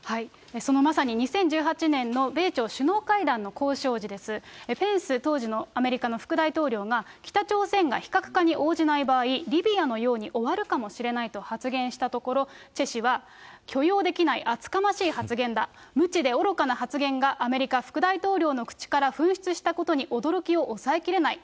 そのまさに２０１８年の米朝首脳会談の交渉時です、ペンス当時のアメリカの副大統領が、北朝鮮が非核化に応じない場合、リビアのように終わるかもしれないと発言したところ、チェ氏は許容できない、厚かましい発言だ、無知で愚かな発言がアメリカ副大統領の口から噴出したことに驚きを抑えきれない。